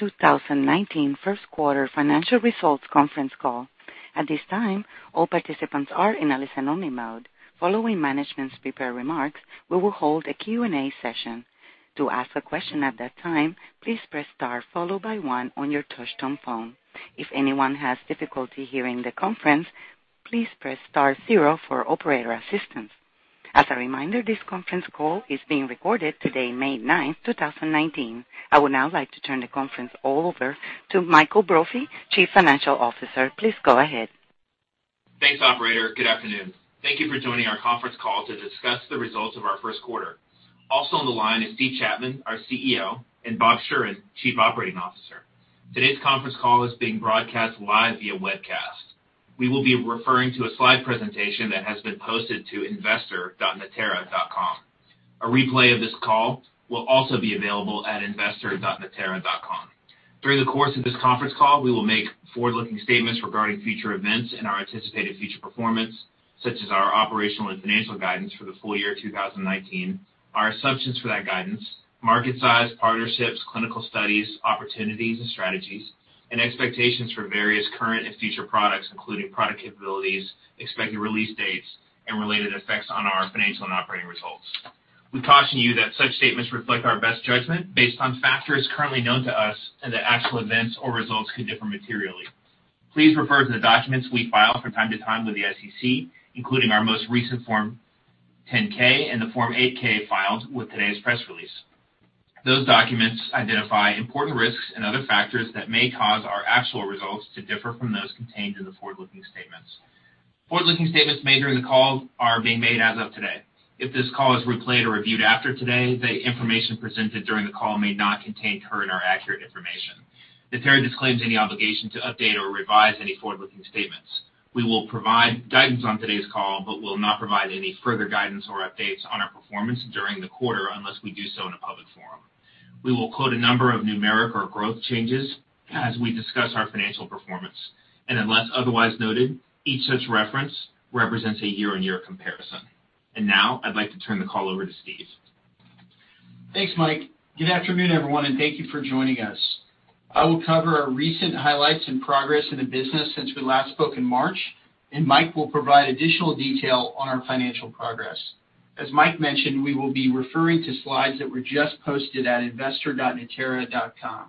Natera's 2019 first quarter financial results conference call. At this time, all participants are in a listen-only mode. Following management's prepared remarks, we will hold a Q&A session. To ask a question at that time, please press star, followed by one on your touchtone phone. If anyone has difficulty hearing the conference, please press star zero for operator assistance. As a reminder, this conference call is being recorded today, May 9th, 2019. I would now like to turn the conference over to Mike Brophy, Chief Financial Officer. Please go ahead. Thanks, operator. Good afternoon. Thank you for joining our conference call to discuss the results of our first quarter. Also on the line is Steve Chapman, our CEO, and Robert Schueren, Chief Operating Officer. Today's conference call is being broadcast live via webcast. We will be referring to a slide presentation that has been posted to investor.natera.com. A replay of this call will also be available at investor.natera.com. During the course of this conference call, we will make forward-looking statements regarding future events and our anticipated future performance, such as our operational and financial guidance for the full year 2019, our assumptions for that guidance, market size, partnerships, clinical studies, opportunities and strategies, and expectations for various current and future products, including product capabilities, expected release dates, and related effects on our financial and operating results. We caution you that such statements reflect our best judgment based on factors currently known to us, and that actual events or results could differ materially. Please refer to the documents we file from time to time with the SEC, including our most recent Form 10-K and the Form 8-K filed with today's press release. Those documents identify important risks and other factors that may cause our actual results to differ from those contained in the forward-looking statements. Forward-looking statements made during the call are being made as of today. If this call is replayed or reviewed after today, the information presented during the call may not contain current or accurate information. Natera disclaims any obligation to update or revise any forward-looking statements. We will provide guidance on today's call but will not provide any further guidance or updates on our performance during the quarter unless we do so in a public forum. We will quote a number of numeric or growth changes as we discuss our financial performance, and unless otherwise noted, each such reference represents a year-on-year comparison. Now I'd like to turn the call over to Steve. Thanks, Mike. Good afternoon, everyone, and thank you for joining us. I will cover our recent highlights and progress in the business since we last spoke in March, and Mike will provide additional detail on our financial progress. As Mike mentioned, we will be referring to slides that were just posted at investor.natera.com.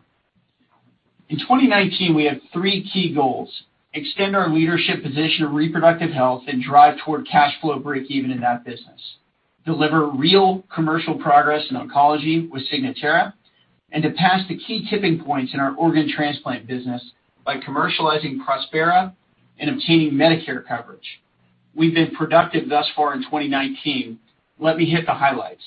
In 2019, we have three key goals: extend our leadership position of reproductive health and drive toward cash flow breakeven in that business, deliver real commercial progress in oncology with Signatera, and to pass the key tipping points in our organ transplant business by commercializing Prospera and obtaining Medicare coverage. We've been productive thus far in 2019. Let me hit the highlights.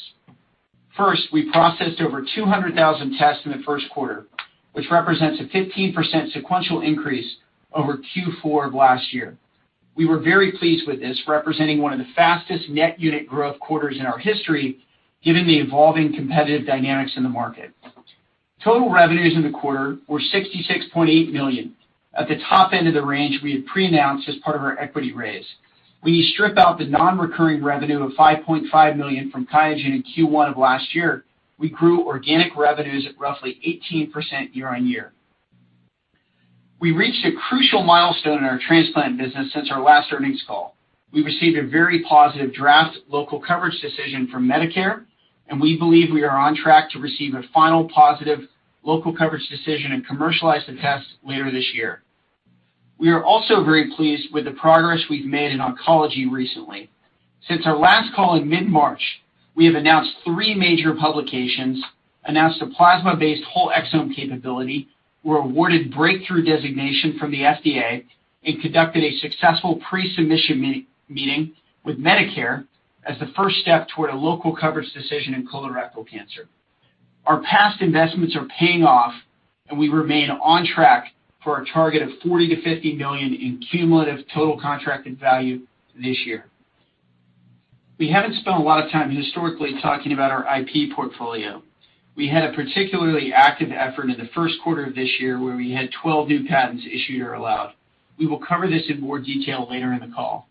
First, we processed over 200,000 tests in the first quarter, which represents a 15% sequential increase over Q4 of last year. We were very pleased with this, representing one of the fastest net unit growth quarters in our history, given the evolving competitive dynamics in the market. Total revenues in the quarter were $66.8 million. At the top end of the range we had pre-announced as part of our equity raise. When you strip out the non-recurring revenue of $5.5 million from QIAGEN in Q1 of last year, we grew organic revenues at roughly 18% year-on-year. We reached a crucial milestone in our transplant business since our last earnings call. We received a very positive draft local coverage decision from Medicare, and we believe we are on track to receive a final positive local coverage decision and commercialize the test later this year. We are also very pleased with the progress we've made in oncology recently. Since our last call in mid-March, we have announced three major publications, announced a plasma-based whole exome capability, were awarded breakthrough designation from the FDA, and conducted a successful pre-submission meeting with Medicare as the first step toward a local coverage decision in colorectal cancer. Our past investments are paying off, and we remain on track for a target of $40 million-$50 million in cumulative total contracted value this year. We haven't spent a lot of time historically talking about our IP portfolio. We had a particularly active effort in the first quarter of this year where we had 12 new patents issued or allowed. We will cover this in more detail later in the call.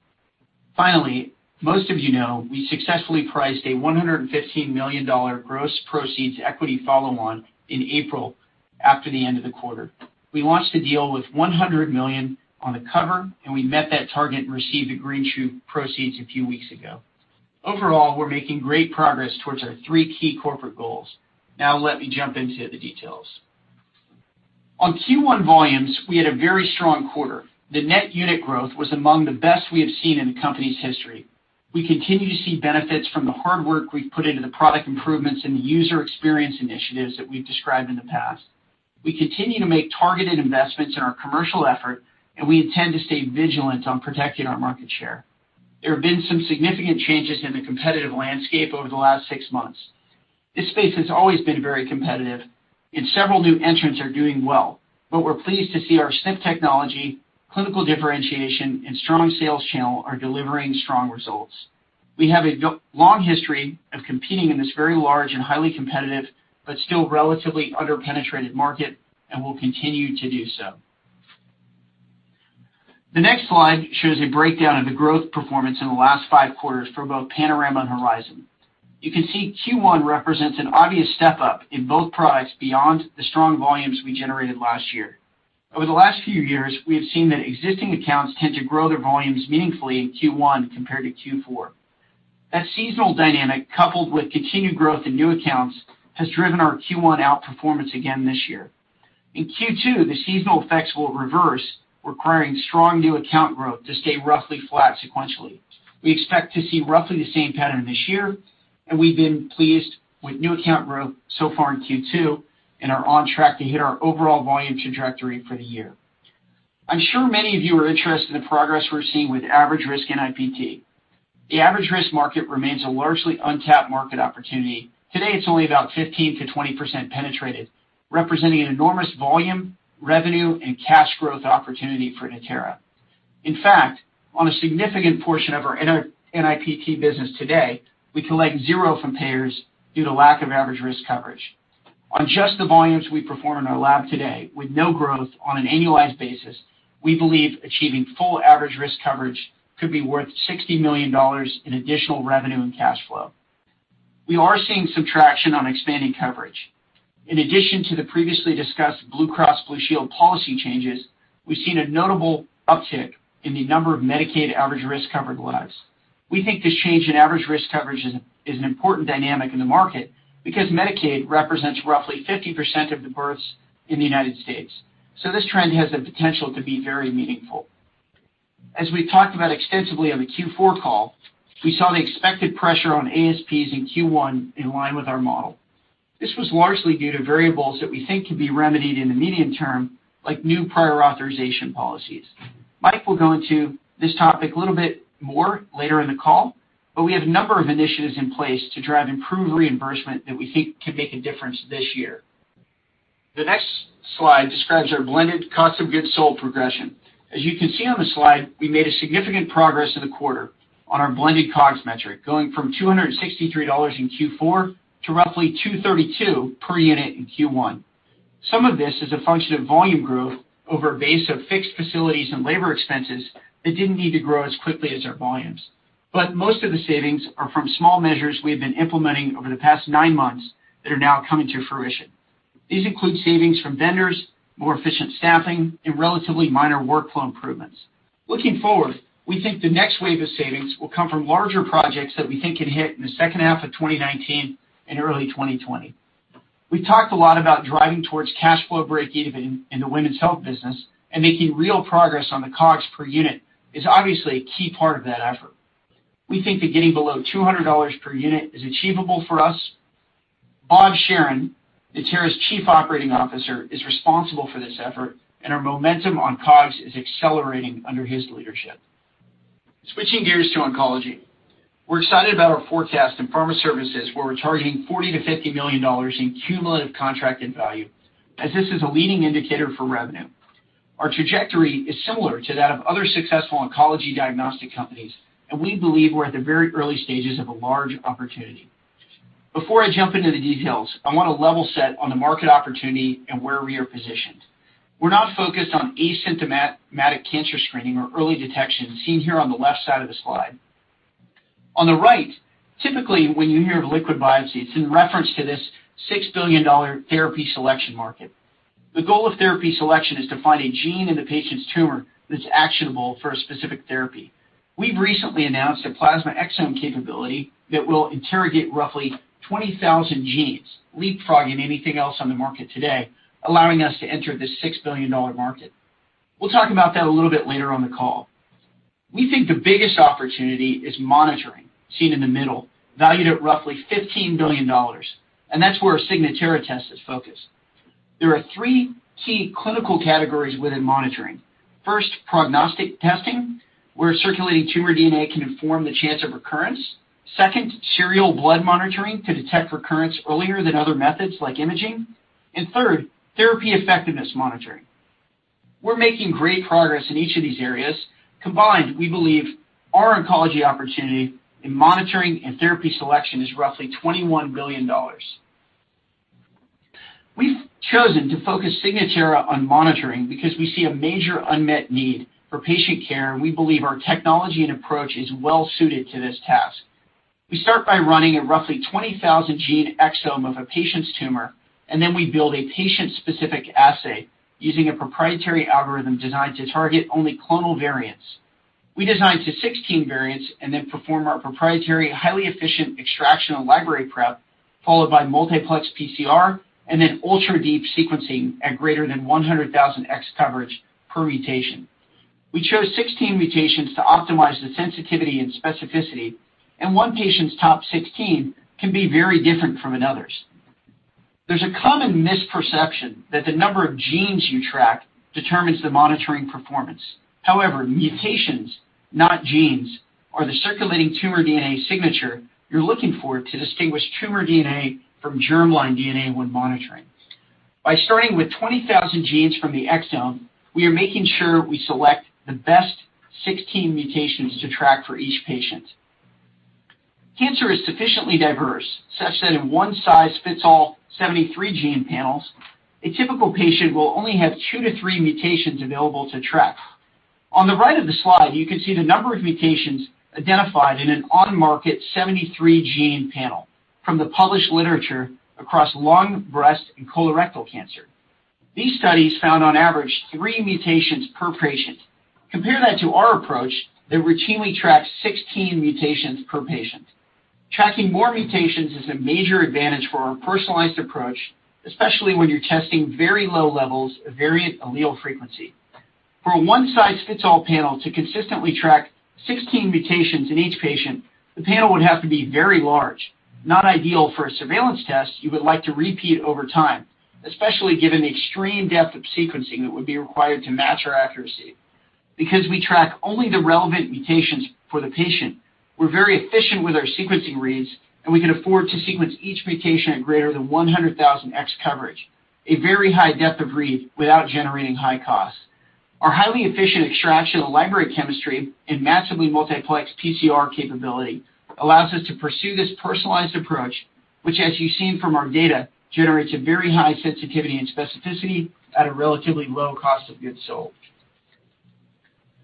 Finally, most of you know, we successfully priced a $115 million gross proceeds equity follow-on in April, after the end of the quarter. We launched the deal with $100 million on the cover, and we met that target and received the greenshoe proceeds a few weeks ago. Overall, we're making great progress towards our three key corporate goals. Now let me jump into the details. On Q1 volumes, we had a very strong quarter. The net unit growth was among the best we have seen in the company's history. We continue to see benefits from the hard work we've put into the product improvements and the user experience initiatives that we've described in the past. We continue to make targeted investments in our commercial effort, and we intend to stay vigilant on protecting our market share. There have been some significant changes in the competitive landscape over the last six months. This space has always been very competitive. Several new entrants are doing well, but we're pleased to see our SIMP technology, clinical differentiation, and strong sales channel are delivering strong results. We have a long history of competing in this very large and highly competitive, but still relatively under-penetrated market, and will continue to do so. The next slide shows a breakdown of the growth performance in the last five quarters for both Panorama and Horizon. You can see Q1 represents an obvious step up in both products beyond the strong volumes we generated last year. Over the last few years, we have seen that existing accounts tend to grow their volumes meaningfully in Q1 compared to Q4. That seasonal dynamic, coupled with continued growth in new accounts, has driven our Q1 outperformance again this year. In Q2, the seasonal effects will reverse, requiring strong new account growth to stay roughly flat sequentially. We expect to see roughly the same pattern this year. We've been pleased with new account growth so far in Q2 and are on track to hit our overall volume trajectory for the year. I'm sure many of you are interested in the progress we're seeing with average-risk NIPT. The average-risk market remains a largely untapped market opportunity. Today, it's only about 15%-20% penetrated, representing an enormous volume, revenue, and cash growth opportunity for Natera. In fact, on a significant portion of our NIPT business today, we collect zero from payers due to lack of average-risk coverage. On just the volumes we perform in our lab today with no growth on an annualized basis, we believe achieving full average-risk coverage could be worth $60 million in additional revenue and cash flow. We are seeing some traction on expanding coverage. In addition to the previously discussed Blue Cross Blue Shield policy changes, we've seen a notable uptick in the number of Medicaid average-risk covered lives. We think this change in average-risk coverage is an important dynamic in the market because Medicaid represents roughly 50% of the births in the U.S. This trend has the potential to be very meaningful. As we talked about extensively on the Q4 call, we saw the expected pressure on ASPs in Q1 in line with our model. This was largely due to variables that we think can be remedied in the medium term, like new prior authorization policies. Mike will go into this topic a little bit more later in the call. We have a number of initiatives in place to drive improved reimbursement that we think can make a difference this year. The next slide describes our blended cost of goods sold progression. As you can see on the slide, we made significant progress in the quarter on our blended COGS metric, going from $263 in Q4 to roughly $232 per unit in Q1. Some of this is a function of volume growth over a base of fixed facilities and labor expenses that didn't need to grow as quickly as our volumes. Most of the savings are from small measures we have been implementing over the past nine months that are now coming to fruition. These include savings from vendors, more efficient staffing, and relatively minor workflow improvements. Looking forward, we think the next wave of savings will come from larger projects that we think can hit in the second half of 2019 and early 2020. We talked a lot about driving towards cash flow break-even in the women's health business and making real progress on the COGS per unit is obviously a key part of that effort. We think that getting below $200 per unit is achievable for us. Bob Schueren, Natera's Chief Operating Officer, is responsible for this effort, and our momentum on COGS is accelerating under his leadership. Switching gears to oncology. We're excited about our forecast in pharma services, where we're targeting $40 million-$50 million in cumulative contracted value, as this is a leading indicator for revenue. Our trajectory is similar to that of other successful oncology diagnostic companies, and we believe we're at the very early stages of a large opportunity. Before I jump into the details, I want to level set on the market opportunity and where we are positioned. We're not focused on asymptomatic cancer screening or early detection seen here on the left side of the slide. On the right, typically, when you hear of liquid biopsy, it's in reference to this $6 billion therapy selection market. The goal of therapy selection is to find a gene in the patient's tumor that's actionable for a specific therapy. We've recently announced a plasma exome capability that will interrogate roughly 20,000 genes, leapfrogging anything else on the market today, allowing us to enter this $6 billion market. We'll talk about that a little bit later on the call. We think the biggest opportunity is monitoring, seen in the middle, valued at roughly $15 billion, and that's where a Signatera test is focused. There are three key clinical categories within monitoring. First, prognostic testing, where circulating tumor DNA can inform the chance of recurrence. Second, serial blood monitoring to detect recurrence earlier than other methods like imaging. Third, therapy effectiveness monitoring. We're making great progress in each of these areas. Combined, we believe our oncology opportunity in monitoring and therapy selection is roughly $21 billion. We've chosen to focus Signatera on monitoring because we see a major unmet need for patient care, and we believe our technology and approach is well-suited to this task. We start by running a roughly 20,000-gene exome of a patient's tumor, and then we build a patient-specific assay using a proprietary algorithm designed to target only clonal variants. We design to 16 variants and then perform our proprietary, highly efficient extraction and library prep, followed by multiplex PCR and then ultra-deep sequencing at greater than 100,000X coverage per mutation. We chose 16 mutations to optimize the sensitivity and specificity. One patient's top 16 can be very different from another's. There's a common misperception that the number of genes you track determines the monitoring performance. However, mutations, not genes, are the circulating tumor DNA signature you're looking for to distinguish tumor DNA from germline DNA when monitoring. By starting with 20,000 genes from the exome, we are making sure we select the best 16 mutations to track for each patient. Cancer is sufficiently diverse, such that in one-size-fits-all 73 gene panels, a typical patient will only have two to three mutations available to track. On the right of the slide, you can see the number of mutations identified in an on-market 73 gene panel from the published literature across lung, breast, and colorectal cancer. These studies found on average three mutations per patient. Compare that to our approach that routinely tracks 16 mutations per patient. Tracking more mutations is a major advantage for our personalized approach, especially when you're testing very low levels of variant allele frequency. For a one-size-fits-all panel to consistently track 16 mutations in each patient, the panel would have to be very large, not ideal for a surveillance test you would like to repeat over time, especially given the extreme depth of sequencing that would be required to match our accuracy. Because we track only the relevant mutations for the patient, we're very efficient with our sequencing reads, and we can afford to sequence each mutation at greater than 100,000 X coverage, a very high depth of read without generating high costs. Our highly efficient extraction of library chemistry and massively multiplex PCR capability allows us to pursue this personalized approach, which, as you've seen from our data, generates a very high sensitivity and specificity at a relatively low cost of goods sold.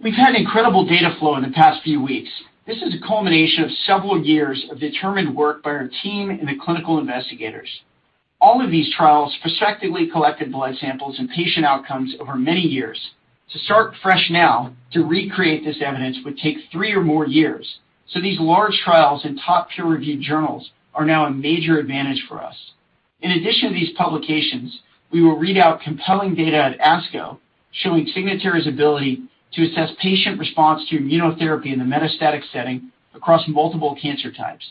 We've had incredible data flow in the past few weeks. This is a culmination of several years of determined work by our team and the clinical investigators. All of these trials prospectively collected blood samples and patient outcomes over many years. To start fresh now to recreate this evidence would take three or more years. These large trials in top peer-reviewed journals are now a major advantage for us. In addition to these publications, we will read out compelling data at ASCO showing Signatera's ability to assess patient response to immunotherapy in the metastatic setting across multiple cancer types.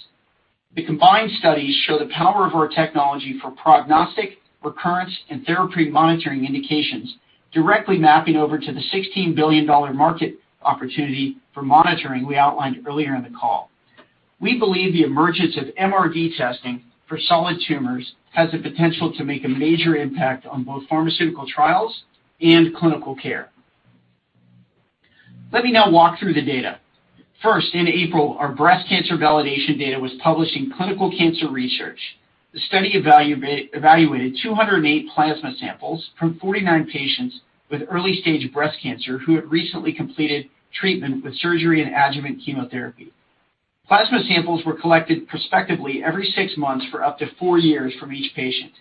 The combined studies show the power of our technology for prognostic, recurrence, and therapy monitoring indications, directly mapping over to the $16 billion market opportunity for monitoring we outlined earlier in the call. We believe the emergence of MRD testing for solid tumors has the potential to make a major impact on both pharmaceutical trials and clinical care. Let me now walk through the data. First, in April, our breast cancer validation data was published in Clinical Cancer Research. The study evaluated 208 plasma samples from 49 patients with early-stage breast cancer who had recently completed treatment with surgery and adjuvant chemotherapy. Plasma samples were collected prospectively every six months for up to four years from each patient.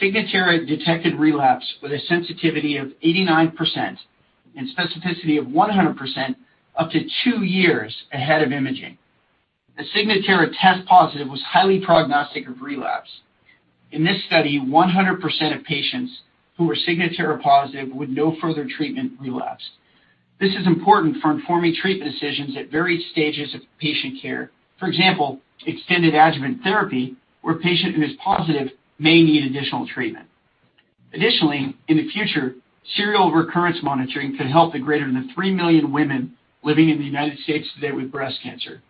Signatera detected relapse with a sensitivity of 89% and specificity of 100% up to two years ahead of imaging. The Signatera test positive was highly prognostic of relapse. In this study, 100% of patients who were Signatera positive with no further treatment relapsed. This is important for informing treatment decisions at various stages of patient care. For example, extended adjuvant therapy, where a patient who is positive may need additional treatment. Additionally, in the future, serial recurrence monitoring could help the greater than three million women living in the United States today with breast cancer.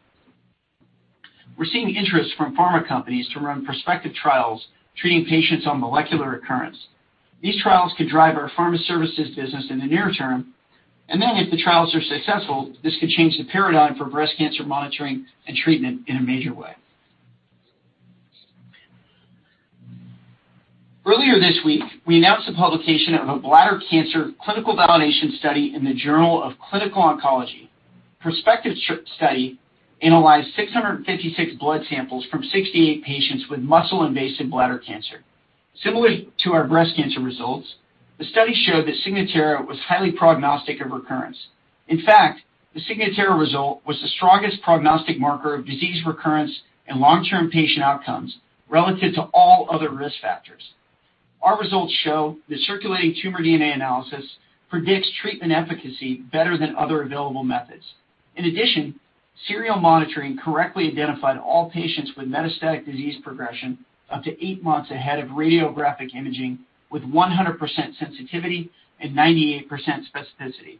We're seeing interest from pharma companies to run prospective trials treating patients on molecular recurrence. These trials could drive our pharma services business in the near term, if the trials are successful, this could change the paradigm for breast cancer monitoring and treatment in a major way. Earlier this week, we announced the publication of a bladder cancer clinical validation study in the Journal of Clinical Oncology. Prospective study analyzed 656 blood samples from 68 patients with muscle-invasive bladder cancer. Similar to our breast cancer results, the study showed that Signatera was highly prognostic of recurrence. In fact, the Signatera result was the strongest prognostic marker of disease recurrence and long-term patient outcomes relative to all other risk factors. Our results show that circulating tumor DNA analysis predicts treatment efficacy better than other available methods. In addition, serial monitoring correctly identified all patients with metastatic disease progression up to eight months ahead of radiographic imaging with 100% sensitivity and 98% specificity.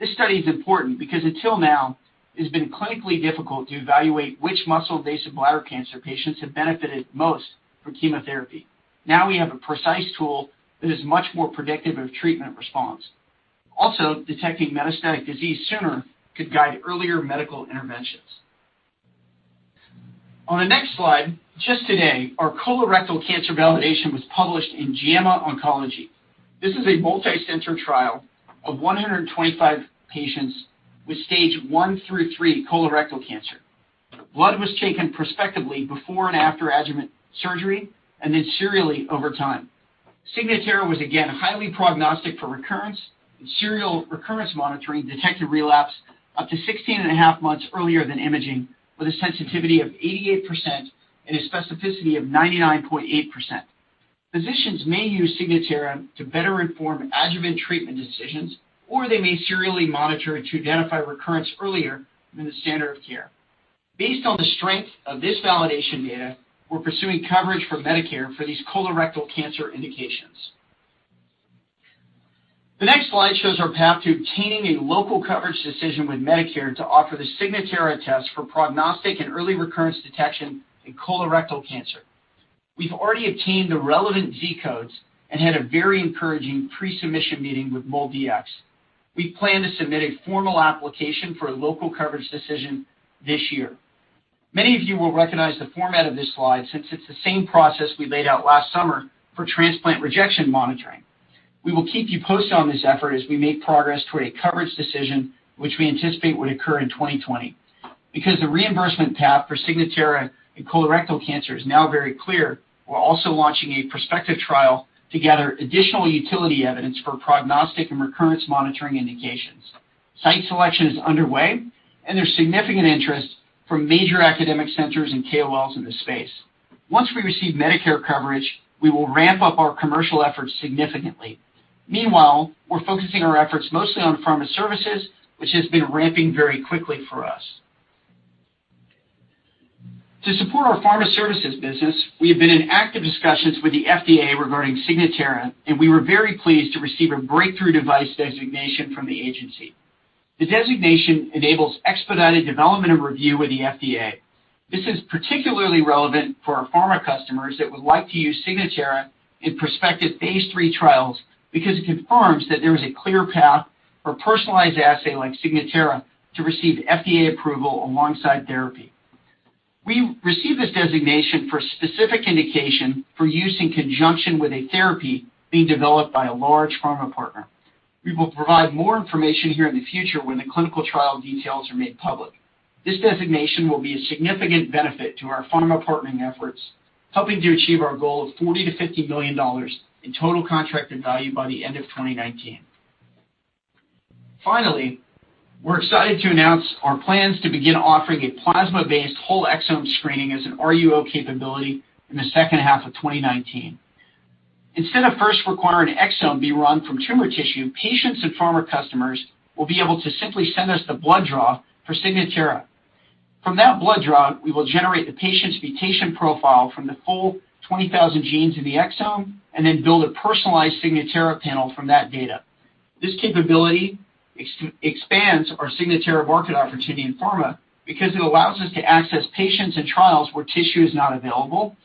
This study is important because until now, it has been clinically difficult to evaluate which muscle-invasive bladder cancer patients have benefited most from chemotherapy. Also, detecting metastatic disease sooner could guide earlier medical interventions. On the next slide, just today, our colorectal cancer validation was published in JAMA Oncology. This is a multi-center trial of 125 patients with stage I through III colorectal cancer. Blood was taken prospectively before and after adjuvant surgery and then serially over time. Signatera was again highly prognostic for recurrence, and serial recurrence monitoring detected relapse up to 16 and a half months earlier than imaging with a sensitivity of 88% and a specificity of 99.8%. Physicians may use Signatera to better inform adjuvant treatment decisions, or they may serially monitor it to identify recurrence earlier than the standard of care. Based on the strength of this validation data, we're pursuing coverage from Medicare for these colorectal cancer indications. The next slide shows our path to obtaining a local coverage decision with Medicare to offer the Signatera test for prognostic and early recurrence detection in colorectal cancer. We've already obtained the relevant Z codes and had a very encouraging pre-submission meeting with MolDX. We plan to submit a formal application for a local coverage decision this year. Many of you will recognize the format of this slide, since it's the same process we laid out last summer for transplant rejection monitoring. We will keep you posted on this effort as we make progress toward a coverage decision, which we anticipate would occur in 2020. Because the reimbursement path for Signatera in colorectal cancer is now very clear, we're also launching a prospective trial to gather additional utility evidence for prognostic and recurrence monitoring indications. Site selection is underway, and there's significant interest from major academic centers and KOLs in this space. Once we receive Medicare coverage, we will ramp up our commercial efforts significantly. Meanwhile, we're focusing our efforts mostly on pharma services, which has been ramping very quickly for us. To support our pharma services business, we have been in active discussions with the FDA regarding Signatera, and we were very pleased to receive a breakthrough device designation from the agency. The designation enables expedited development and review with the FDA. This is particularly relevant for our pharma customers that would like to use Signatera in prospective phase III trials, because it confirms that there is a clear path for a personalized assay like Signatera to receive FDA approval alongside therapy. We received this designation for a specific indication for use in conjunction with a therapy being developed by a large pharma partner. We will provide more information here in the future when the clinical trial details are made public. This designation will be a significant benefit to our pharma partnering efforts, helping to achieve our goal of $40 million to $50 million in total contracted value by the end of 2019. We're excited to announce our plans to begin offering a plasma-based whole exome screening as an RUO capability in the second half of 2019. Instead of first requiring an exome be run from tumor tissue, patients and pharma customers will be able to simply send us the blood draw for Signatera. From that blood draw, we will generate the patient's mutation profile from the full 20,000 genes in the exome, and then build a personalized Signatera panel from that data. This capability expands our Signatera market opportunity in pharma because it allows us to access patients in trials where tissue is not available.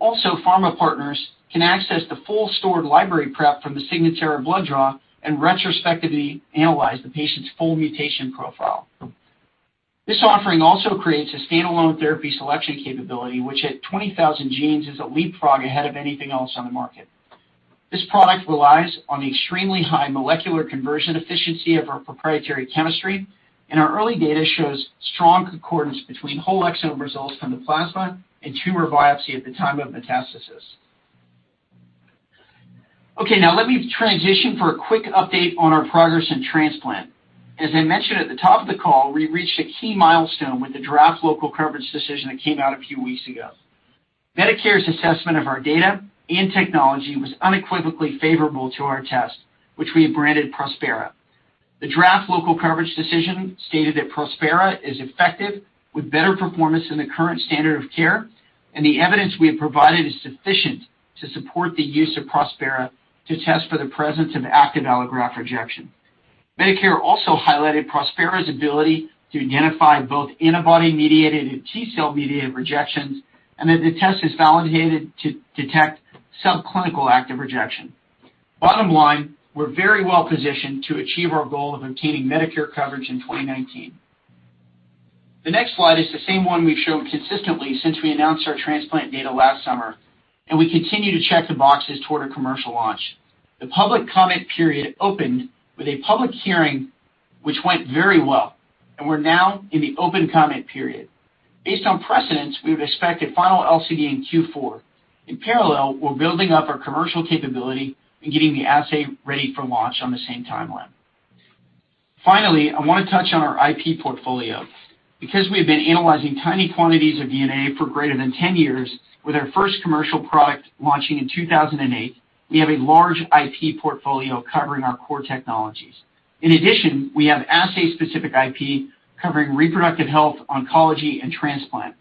Also, pharma partners can access the full stored library prep from the Signatera blood draw and retrospectively analyze the patient's full mutation profile. This offering also creates a standalone therapy selection capability, which at 20,000 genes is a leapfrog ahead of anything else on the market. This product relies on the extremely high molecular conversion efficiency of our proprietary chemistry, and our early data shows strong concordance between whole exome results from the plasma and tumor biopsy at the time of metastasis. Okay. Now let me transition for a quick update on our progress in transplant. As I mentioned at the top of the call, we reached a key milestone with the draft local coverage decision that came out a few weeks ago. Medicare's assessment of our data and technology was unequivocally favorable to our test, which we have branded Prospera. The draft local coverage decision stated that Prospera is effective, with better performance than the current standard of care, and the evidence we have provided is sufficient to support the use of Prospera to test for the presence of active allograft rejection. Medicare also highlighted Prospera's ability to identify both antibody-mediated and T-cell-mediated rejections, and that the test is validated to detect subclinical active rejection. Bottom line, we're very well positioned to achieve our goal of obtaining Medicare coverage in 2019. The next slide is the same one we've shown consistently since we announced our transplant data last summer. We continue to check the boxes toward a commercial launch. The public comment period opened with a public hearing, which went very well. We're now in the open comment period. Based on precedence, we would expect a final LCD in Q4. In parallel, we're building up our commercial capability and getting the assay ready for launch on the same timeline. I want to touch on our IP portfolio. Because we have been analyzing tiny quantities of DNA for greater than 10 years, with our first commercial product launching in 2008, we have a large IP portfolio covering our core technologies. In addition, we have assay-specific IP covering reproductive health, oncology, and transplant.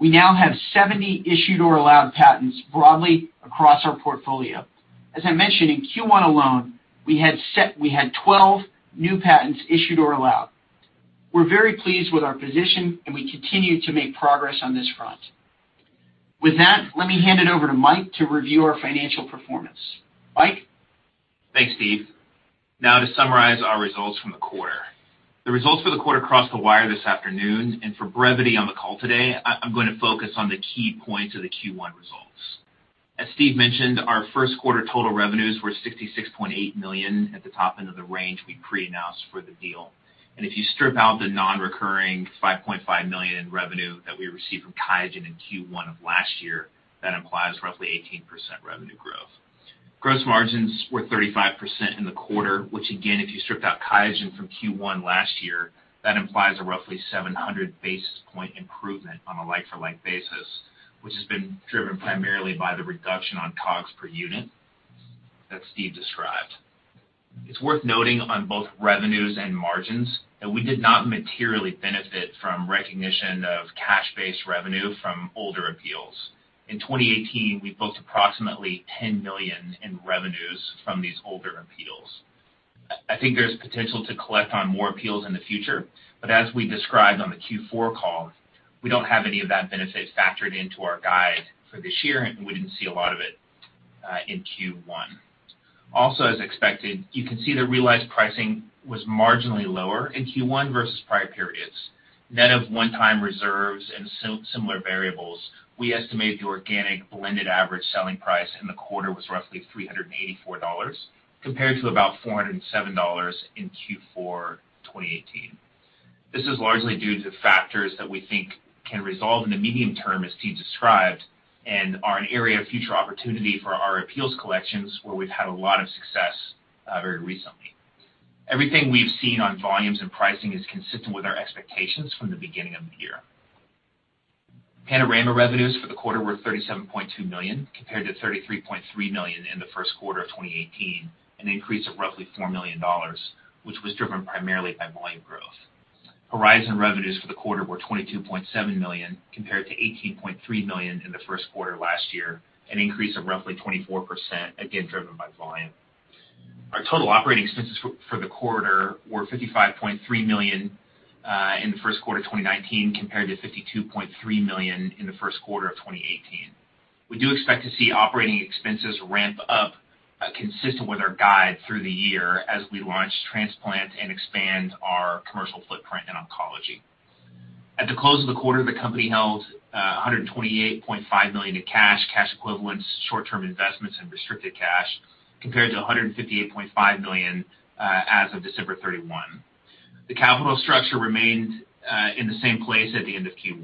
We now have 70 issued or allowed patents broadly across our portfolio. As I mentioned, in Q1 alone, we had 12 new patents issued or allowed. We're very pleased with our position. We continue to make progress on this front. With that, let me hand it over to Mike to review our financial performance. Mike? Thanks, Steve. To summarize our results from the quarter. The results for the quarter crossed the wire this afternoon. For brevity on the call today, I'm going to focus on the key points of the Q1 results. As Steve mentioned, our first quarter total revenues were $66.8 million at the top end of the range we pre-announced for the deal. If you strip out the non-recurring $5.5 million in revenue that we received from QIAGEN in Q1 of last year, that implies roughly 18% revenue growth. Gross margins were 35% in the quarter, which again, if you strip out QIAGEN from Q1 last year, that implies a roughly 700 basis point improvement on a like-for-like basis, which has been driven primarily by the reduction on COGS per unit that Steve described. It's worth noting on both revenues and margins that we did not materially benefit from recognition of cash-based revenue from older appeals. In 2018, we booked approximately $10 million in revenues from these older appeals. I think there's potential to collect on more appeals in the future. As we described on the Q4 call, we don't have any of that benefit factored into our guide for this year, and we didn't see a lot of it in Q1. As expected, you can see the realized pricing was marginally lower in Q1 versus prior periods. Net of one-time reserves and similar variables, we estimate the organic blended average selling price in the quarter was roughly $384, compared to about $407 in Q4 2018. This is largely due to factors that we think can resolve in the medium term, as Steve described, and are an area of future opportunity for our appeals collections, where we've had a lot of success very recently. Everything we've seen on volumes and pricing is consistent with our expectations from the beginning of the year. Panorama revenues for the quarter were $37.2 million, compared to $33.3 million in the first quarter of 2018, an increase of roughly $4 million, which was driven primarily by volume growth. Horizon revenues for the quarter were $22.7 million, compared to $18.3 million in the first quarter last year, an increase of roughly 24%, again, driven by volume. Our total operating expenses for the quarter were $55.3 million in the first quarter of 2019, compared to $52.3 million in the first quarter of 2018. We do expect to see operating expenses ramp up consistent with our guide through the year as we launch transplant and expand our commercial footprint in oncology. At the close of the quarter, the company held $128.5 million in cash equivalents, short-term investments, and restricted cash, compared to $158.5 million as of December 31. The capital structure remained in the same place at the end of Q1.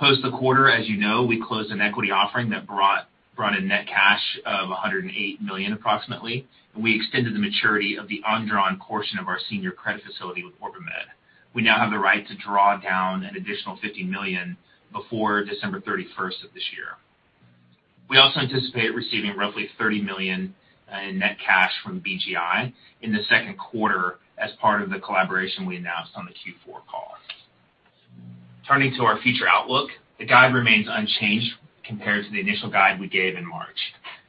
Post the quarter, as you know, we closed an equity offering that brought in net cash of $108 million approximately. We extended the maturity of the undrawn portion of our senior credit facility with OrbiMed. We now have the right to draw down an additional $50 million before December 31st of this year. We anticipate receiving roughly $30 million in net cash from BGI in the second quarter as part of the collaboration we announced on the Q4 call. Turning to our future outlook, the guide remains unchanged compared to the initial guide we gave in March.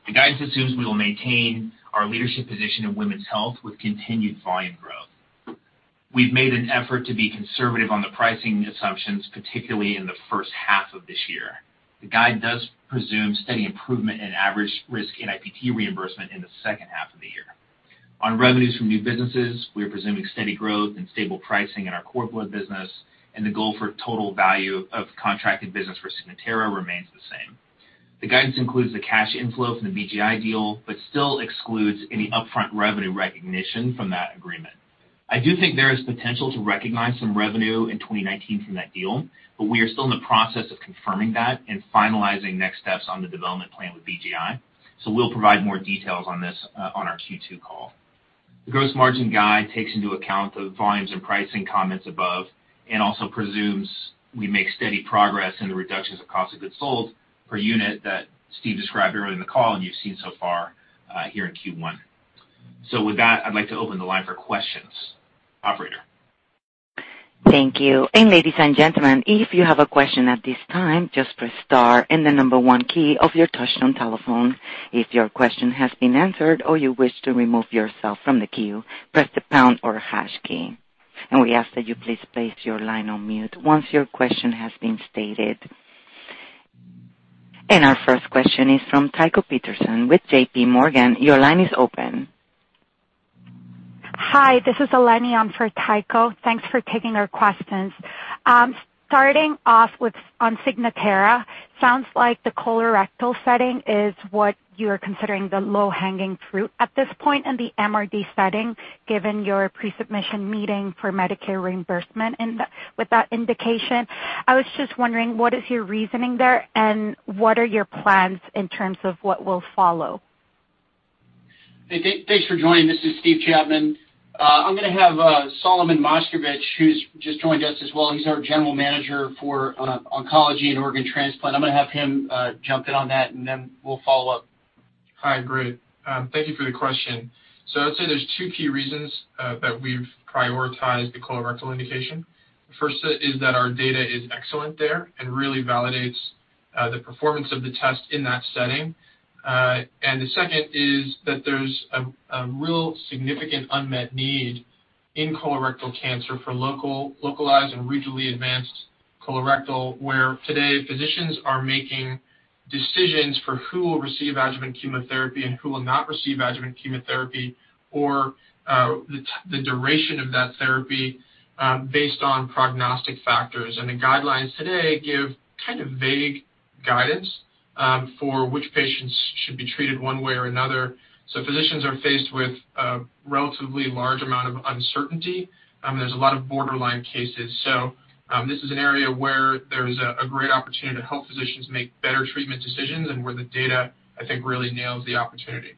The guidance assumes we will maintain our leadership position in women's health with continued volume growth. We've made an effort to be conservative on the pricing assumptions, particularly in the first half of this year. The guide does presume steady improvement in average risk and NIPT reimbursement in the second half of the year. On revenues from new businesses, we are presuming steady growth and stable pricing in our core blood business, and the goal for total value of contracted business for Signatera remains the same. The guidance includes the cash inflow from the BGI deal, but still excludes any upfront revenue recognition from that agreement. I do think there is potential to recognize some revenue in 2019 from that deal, but we are still in the process of confirming that and finalizing next steps on the development plan with BGI. We'll provide more details on this on our Q2 call. The gross margin guide takes into account the volumes and pricing comments above and also presumes we make steady progress in the reductions of cost of goods sold per unit that Steve described earlier in the call and you've seen so far here in Q1. With that, I'd like to open the line for questions. Operator? Thank you. Ladies and gentlemen, if you have a question at this time, just press star and the number 1 key of your touch-tone telephone. If your question has been answered or you wish to remove yourself from the queue, press the pound or hash key. We ask that you please place your line on mute once your question has been stated. Our first question is from Tycho Peterson with J.P. Morgan. Your line is open. Hi, this is Eleni. I'm for Tycho. Thanks for taking our questions. Starting off with on Signatera, sounds like the colorectal setting is what you're considering the low-hanging fruit at this point in the MRD setting, given your pre-submission meeting for Medicare reimbursement with that indication. I was just wondering, what is your reasoning there, and what are your plans in terms of what will follow? Hey, thanks for joining. This is Steve Chapman. I'm going to have Solomon Moshkevich, who's just joined us as well. He's our General Manager for Oncology and Organ Transplant. I'm going to have him jump in on that, and then we'll follow up. Hi, great. Thank you for the question. I would say there's two key reasons that we've prioritized the colorectal indication. First is that our data is excellent there and really validates the performance of the test in that setting. The second is that there's a real significant unmet need in colorectal cancer for localized and regionally advanced colorectal, where today, physicians are making decisions for who will receive adjuvant chemotherapy and who will not receive adjuvant chemotherapy, or the duration of that therapy based on prognostic factors. The guidelines today give kind of vague guidance for which patients should be treated one way or another. Physicians are faced with a relatively large amount of uncertainty. There's a lot of borderline cases. This is an area where there's a great opportunity to help physicians make better treatment decisions and where the data, I think, really nails the opportunity.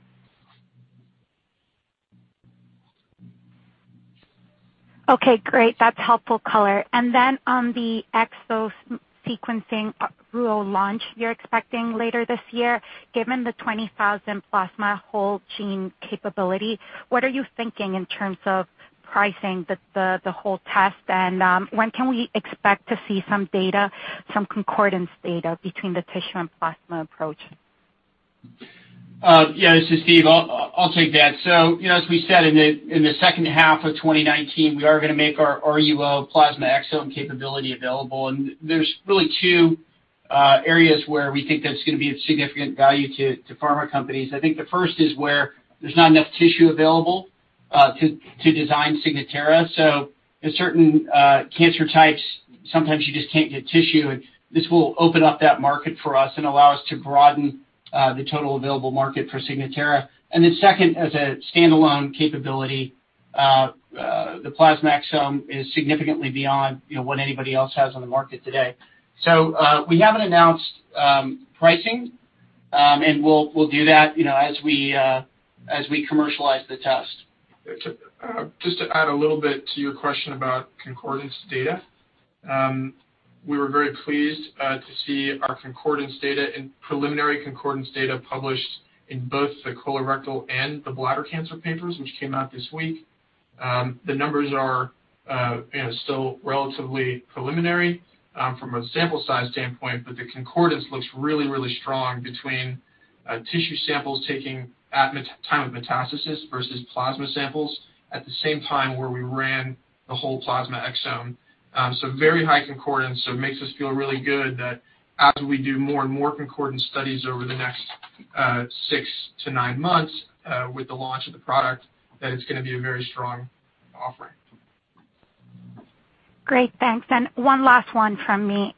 Okay, great. That's helpful color. On the exome sequencing RUO launch you're expecting later this year, given the 20,000 plasma whole gene capability, what are you thinking in terms of pricing the whole test, and when can we expect to see some data, some concordance data between the tissue and plasma approach? Yeah, this is Steve, I'll take that. As we said, in the second half of 2019, we are going to make our RUO plasma exome capability available. There's really two areas where we think that's going to be of significant value to pharma companies. I think the first is where there's not enough tissue available to design Signatera. In certain cancer types, sometimes you just can't get tissue, and this will open up that market for us and allow us to broaden the total available market for Signatera. Second, as a standalone capability, the plasma exome is significantly beyond what anybody else has on the market today. We haven't announced pricing, and we'll do that as we commercialize the test. Just to add a little bit to your question about concordance data. We were very pleased to see our preliminary concordance data published in both the colorectal and the bladder cancer papers, which came out this week. The numbers are still relatively preliminary from a sample size standpoint, but the concordance looks really strong between tissue samples taken at the time of metastasis versus plasma samples at the same time, where we ran the whole plasma exome. Very high concordance. It makes us feel really good that as we do more and more concordance studies over the next six to nine months with the launch of the product, that it's going to be a very strong offering. Great. Thanks. One last one from me.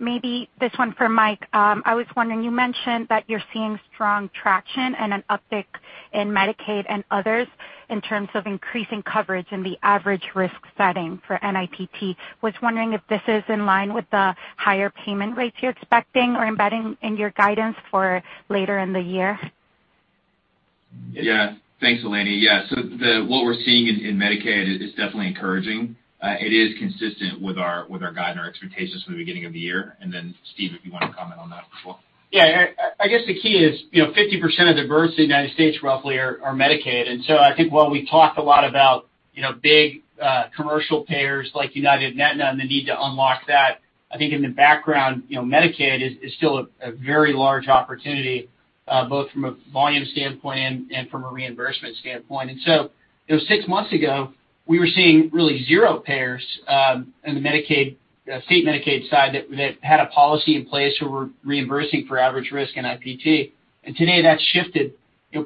Maybe this one for Mike. I was wondering, you mentioned that you're seeing strong traction and an uptick in Medicaid and others in terms of increasing coverage in the average risk setting for NIPT. Was wondering if this is in line with the higher payment rates you're expecting or embedding in your guidance for later in the year? Yeah. Thanks, Eleni. Yeah. What we're seeing in Medicaid is definitely encouraging. It is consistent with our guide and our expectations from the beginning of the year. Steve, if you want to comment on that as well. Yeah. I guess the key is 50% of the births in the U.S. roughly are Medicaid. While we talked a lot about big commercial payers like UnitedHealthcare and Aetna and the need to unlock that, I think in the background, Medicaid is still a very large opportunity, both from a volume standpoint and from a reimbursement standpoint. Six months ago, we were seeing really zero payers in the state Medicaid side that had a policy in place who were reimbursing for average risk NIPT. Today that's shifted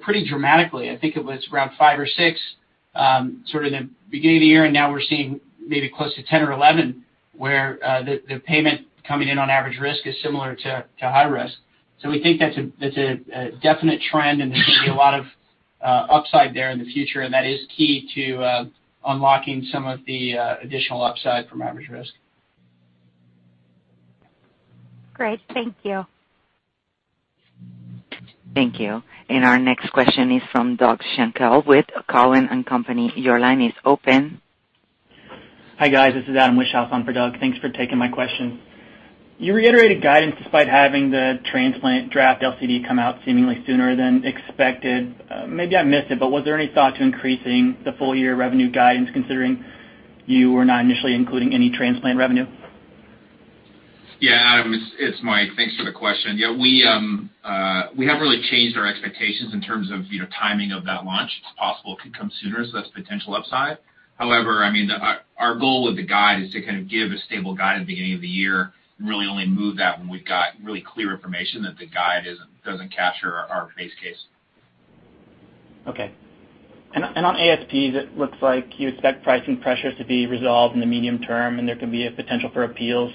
pretty dramatically. I think it was around five or six sort of the beginning of the year, and now we're seeing maybe close to 10 or 11, where the payment coming in on average risk is similar to high risk. We think that's a definite trend, and there's going to be a lot of upside there in the future, and that is key to unlocking some of the additional upside from average risk. Great. Thank you. Thank you. Our next question is from Doug Schenkel with Cowen and Company. Your line is open. Hi, guys. This is Adam Wishnoff on for Doug. Thanks for taking my question. You reiterated guidance despite having the transplant draft LCD come out seemingly sooner than expected. Maybe I missed it, but was there any thought to increasing the full-year revenue guidance, considering you were not initially including any transplant revenue? Adam, it's Mike. Thanks for the question. We haven't really changed our expectations in terms of timing of that launch. It's possible it could come sooner, so that's potential upside. However, our goal with the guide is to kind of give a stable guide at the beginning of the year and really only move that when we've got really clear information that the guide doesn't capture our base case. Okay. On ASPs, it looks like you expect pricing pressures to be resolved in the medium term, and there could be a potential for appeals.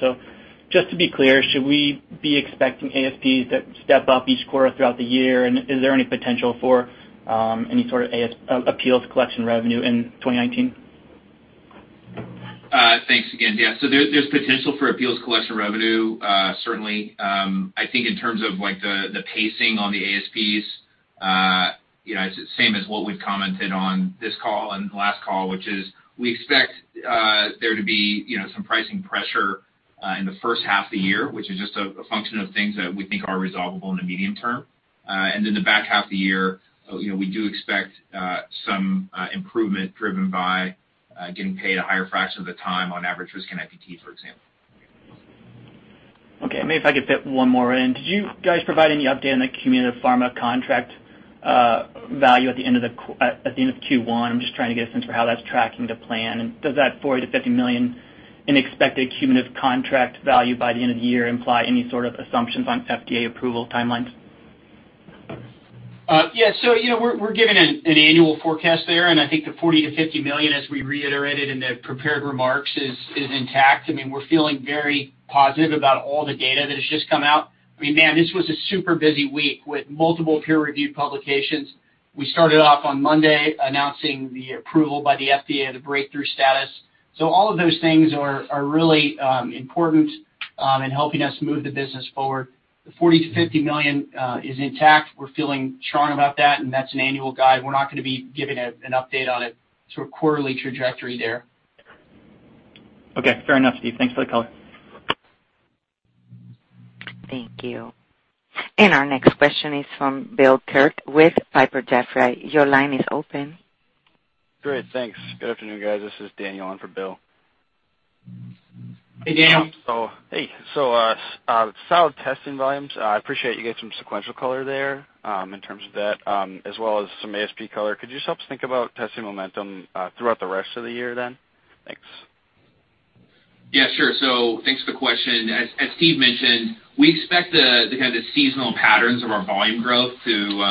Just to be clear, should we be expecting ASPs to step up each quarter throughout the year? Is there any potential for any sort of appeals collection revenue in 2019? Thanks again. There's potential for appeals collection revenue, certainly. I think in terms of the pacing on the ASPs, it's the same as what we've commented on this call and the last call, which is we expect there to be some pricing pressure in the first half of the year, which is just a function of things that we think are resolvable in the medium term. The back half of the year, we do expect some improvement driven by getting paid a higher fraction of the time on average risk NIPT, for example. Okay. Maybe if I could fit one more in. Did you guys provide any update on the cumulative pharma contract value at the end of Q1? I'm just trying to get a sense for how that's tracking to plan. Does that $40 million-$50 million in expected cumulative contract value by the end of the year imply any sort of assumptions on FDA approval timelines? Yeah. We're giving an annual forecast there, and I think the $40 million-$50 million, as we reiterated in the prepared remarks, is intact. We're feeling very positive about all the data that has just come out. Man, this was a super busy week with multiple peer-reviewed publications. We started off on Monday announcing the approval by the FDA, the breakthrough status. All of those things are really important in helping us move the business forward. The $40 million-$50 million is intact. We're feeling strong about that, and that's an annual guide. We're not going to be giving an update on it, sort of quarterly trajectory there. Okay, fair enough, Steve. Thanks for the color. Thank you. Our next question is from William Quirk with Piper Jaffray. Your line is open. Great, thanks. Good afternoon, guys. This is Daniel on for Bill. Hey, Dan. Hey. Solid testing volumes. I appreciate you gave some sequential color there, in terms of that, as well as some ASP color. Could you just help us think about testing momentum throughout the rest of the year then? Thanks. Yeah, sure. Thanks for the question. As Steve mentioned, we expect the kind of seasonal patterns of our volume growth to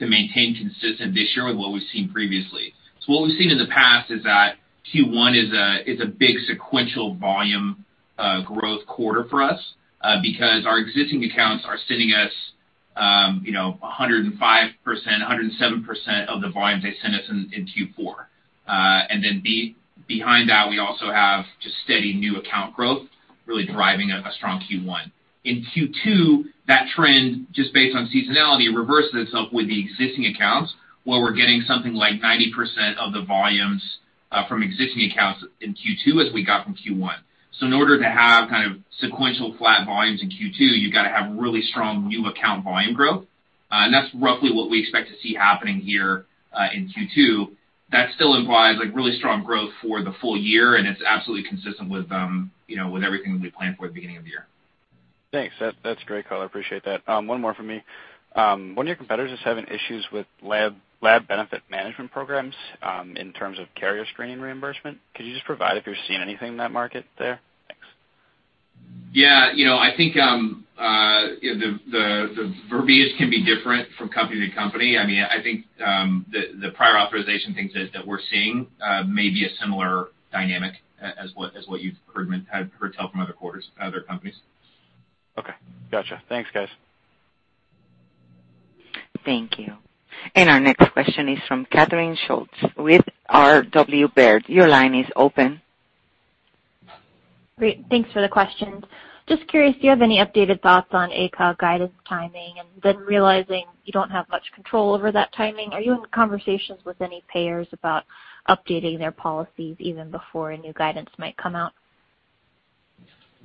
maintain consistent this year with what we've seen previously. What we've seen in the past is that Q1 is a big sequential volume growth quarter for us because our existing accounts are sending us 105%, 107% of the volumes they sent us in Q4. Behind that, we also have just steady new account growth really driving a strong Q1. In Q2, that trend, just based on seasonality, reverses itself with the existing accounts, where we're getting something like 90% of the volumes from existing accounts in Q2 as we got from Q1. In order to have sequential flat volumes in Q2, you've got to have really strong new account volume growth. That's roughly what we expect to see happening here in Q2. That still implies really strong growth for the full year, and it's absolutely consistent with everything that we planned for at the beginning of the year. Thanks. That's great color. I appreciate that. One more from me. One of your competitors is having issues with lab benefit management programs, in terms of carrier screening reimbursement. Could you just provide if you're seeing anything in that market there? Thanks. Yeah. I think, the verbiage can be different from company to company. I think, the prior authorization things that we're seeing may be a similar dynamic as what you've heard tell from other quarters, other companies. Okay. Got you. Thanks, guys. Thank you. Our next question is from Catherine Schulte with Robert W. Baird. Your line is open. Great. Thanks for the questions. Just curious, do you have any updated thoughts on ACOG guidance timing? Realizing you don't have much control over that timing, are you in conversations with any payers about updating their policies even before a new guidance might come out?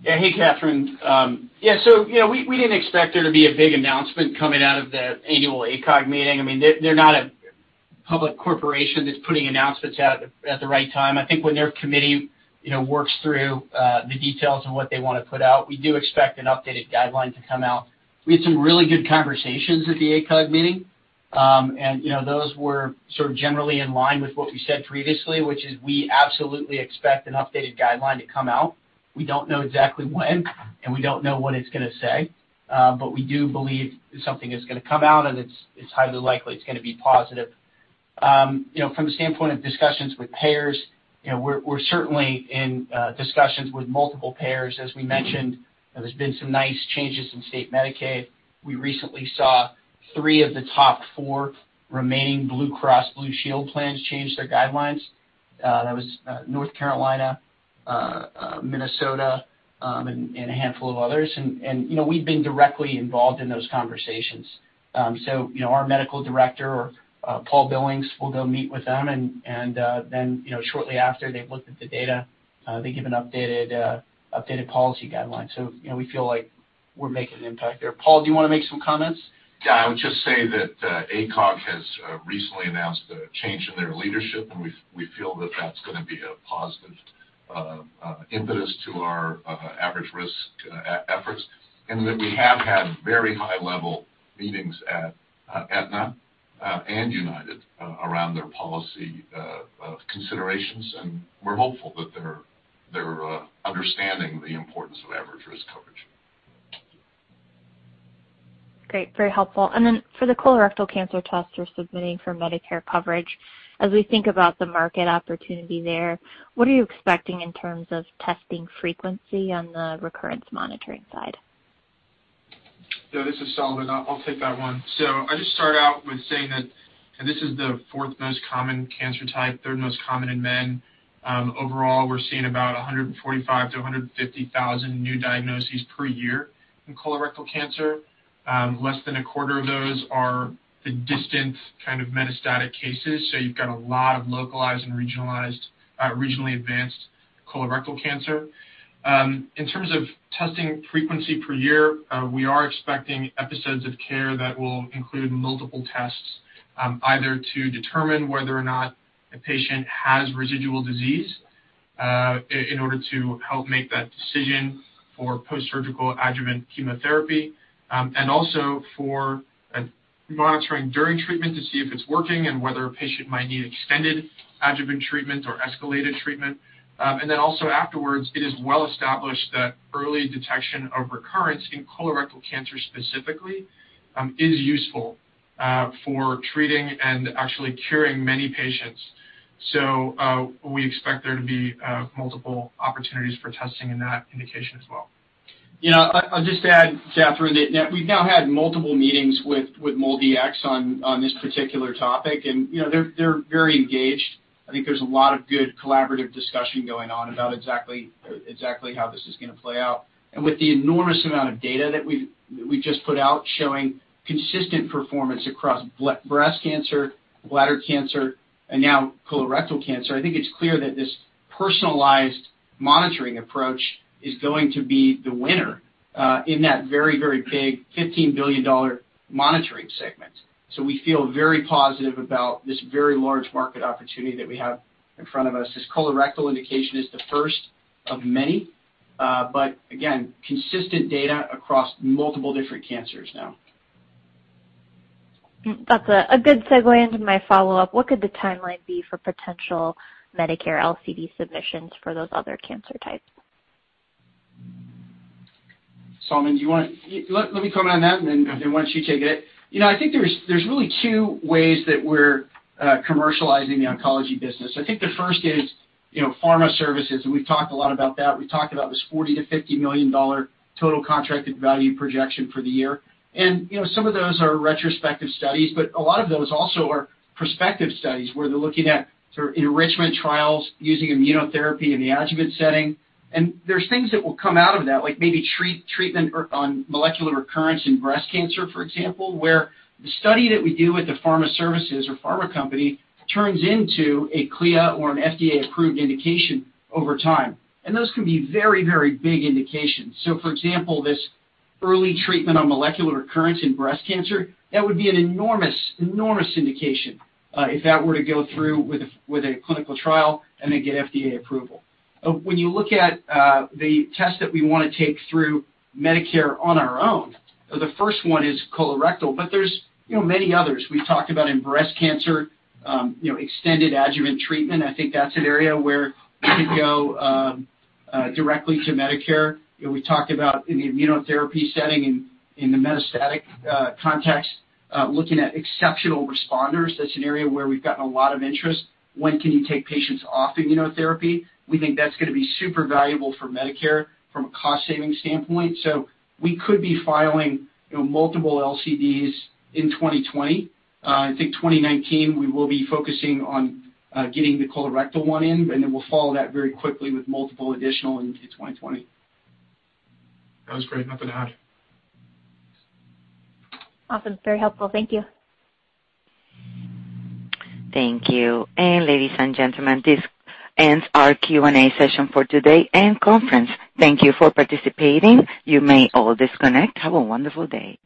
Yeah. Hey, Catherine. Yeah, we didn't expect there to be a big announcement coming out of the annual ACOG meeting. They're not a public corporation that's putting announcements out at the right time. I think when their committee works through the details and what they want to put out, we do expect an updated guideline to come out. We had some really good conversations at the ACOG meeting. Those were sort of generally in line with what we said previously, which is we absolutely expect an updated guideline to come out. We don't know exactly when, and we don't know what it's going to say. We do believe that something is going to come out, and it's highly likely it's going to be positive. From the standpoint of discussions with payers, we're certainly in discussions with multiple payers. As we mentioned, there's been some nice changes in state Medicaid. We recently saw three of the top four remaining Blue Cross Blue Shield plans change their guidelines. That was North Carolina, Minnesota, and a handful of others. We've been directly involved in those conversations. Our medical director, Paul Billings, will go meet with them and then, shortly after they've looked at the data, they give an updated policy guideline. We feel like we're making an impact there. Paul, do you want to make some comments? I would just say that ACOG has recently announced a change in their leadership, and we feel that that's going to be a positive impetus to our average risk efforts. That we have had very high-level meetings at Aetna and United around their policy considerations, and we're hopeful that they're understanding the importance of average risk coverage. Great. Very helpful. Then for the colorectal cancer test you're submitting for Medicare coverage, as we think about the market opportunity there, what are you expecting in terms of testing frequency on the recurrence monitoring side? This is Solomon. I'll take that one. I'll just start out with saying that this is the 4th most common cancer type, 3rd most common in men. Overall, we're seeing about 145,000 to 150,000 new diagnoses per year in colorectal cancer. Less than a quarter of those are the distant kind of metastatic cases, so you've got a lot of localized and regionally advanced colorectal cancer. In terms of testing frequency per year, we are expecting episodes of care that will include multiple tests, either to determine whether or not a patient has residual disease, in order to help make that decision for post-surgical adjuvant chemotherapy. Also for monitoring during treatment to see if it's working and whether a patient might need extended adjuvant treatment or escalated treatment. Then also afterwards, it is well established that early detection of recurrence in colorectal cancer specifically, is useful for treating and actually curing many patients. We expect there to be multiple opportunities for testing in that indication as well. Yeah. I'll just add, Catherine, that we've now had multiple meetings with MolDX on this particular topic, and they're very engaged. I think there's a lot of good collaborative discussion going on about exactly how this is going to play out. With the enormous amount of data that we've just put out showing consistent performance across breast cancer, bladder cancer, and now colorectal cancer, I think it's clear that this personalized monitoring approach is going to be the winner in that very, very big $15 billion monitoring segment. So we feel very positive about this very large market opportunity that we have in front of us. This colorectal indication is the first of many, but again, consistent data across multiple different cancers now. That's a good segue into my follow-up. What could the timeline be for potential Medicare LCD submissions for those other cancer types? Solomon, do you want Let me comment on that, and then why don't you take it? I think there's really two ways that we're commercializing the oncology business. I think the first is pharma services, and we've talked a lot about that. We've talked about this $40 million to $50 million total contracted value projection for the year. Some of those are retrospective studies, but a lot of those also are prospective studies, where they're looking at sort of enrichment trials using immunotherapy in the adjuvant setting. There's things that will come out of that, like maybe treatment on molecular recurrence in breast cancer, for example, where the study that we do with the pharma services or pharma company turns into a CLIA or an FDA-approved indication over time. Those can be very big indications. For example, this early treatment on molecular recurrence in breast cancer, that would be an enormous indication, if that were to go through with a clinical trial and then get FDA approval. When you look at the test that we want to take through Medicare on our own, the first one is colorectal, but there's many others. We've talked about in breast cancer, extended adjuvant treatment. I think that's an area where we could go directly to Medicare. We talked about in the immunotherapy setting, in the metastatic context, looking at exceptional responders. That's an area where we've gotten a lot of interest. When can you take patients off immunotherapy? We think that's going to be super valuable for Medicare from a cost-saving standpoint. We could be filing multiple LCDs in 2020. I think 2019, we will be focusing on getting the colorectal one in, and then we'll follow that very quickly with multiple additional in 2020. That was great. Nothing to add. Awesome. Very helpful. Thank you. Thank you. Ladies and gentlemen, this ends our Q&A session for today and conference. Thank you for participating. You may all disconnect. Have a wonderful day.